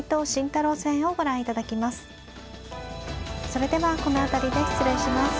それではこの辺りで失礼します。